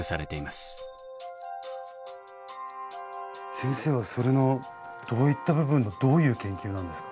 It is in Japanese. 先生はそれのどういった部分のどういう研究なんですか？